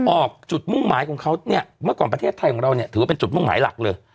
ออกจุดมุ่งหมายของเขาเนี่ยเมื่อก่อนประเทศไทยของเราเนี่ยถือว่าเป็นจุดมุ่งหมายหลักเลย